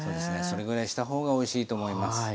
それぐらいした方がおいしいと思います。